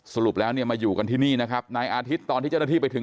สรุปแล้วเนี่ยมาอยู่กันที่นี่นะครับนายอาทิตย์ตอนที่เจ้าหน้าที่ไปถึง